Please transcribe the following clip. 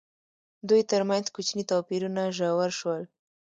دوی ترمنځ کوچني توپیرونه ژور شول.